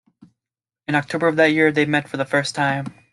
In October of that year they met for the first time.